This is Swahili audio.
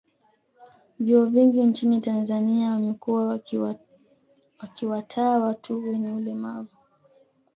Vyuo vingi nchini Tanzania wamekuwa wakiwataaa watu wenye ulemavu